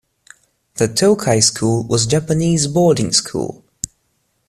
The Tokai school was a Japanese boarding school.